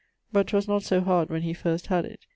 But 'twas not so hard when he first had it.